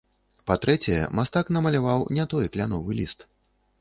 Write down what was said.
Па-трэцяе, мастак намаляваў не той кляновы ліст.